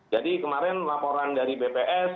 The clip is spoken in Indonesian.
jadi kemarin laporan dari bps